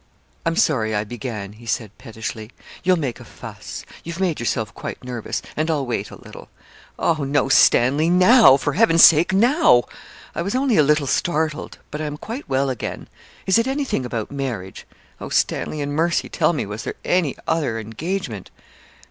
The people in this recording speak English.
'I'm sorry I began,' he said, pettishly. 'You'll make a fuss. You've made yourself quite nervous; and I'll wait a little.' 'Oh! no, Stanley, now for Heaven's sake, now. I was only a little startled; but I am quite well again. Is it anything about marriage? Oh, Stanley, in mercy, tell me was there any other engagement?'